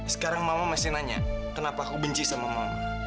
sekarang mama masih nanya kenapa aku benci sama mama